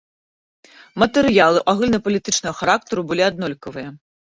Матэрыялы агульнапалітычнага характару былі аднолькавыя.